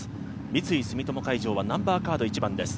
三井住友海上はナンバーカード１番です。